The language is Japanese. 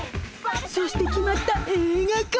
そして決まった映画化！